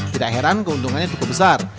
tidak heran keuntungannya cukup besar